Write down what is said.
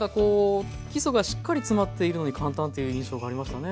基礎がしっかり詰まっているのに簡単っていう印象がありましたね。